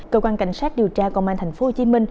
cơ quan cảnh sát điều tra công an tp hcm